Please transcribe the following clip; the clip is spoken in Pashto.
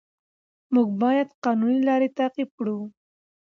موږ باید قانوني لارې تعقیب کړو